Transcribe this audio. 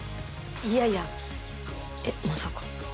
いやいやえっまさか。